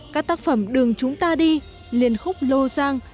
các tác phẩm đường chúng ta đi liên khúc lô giang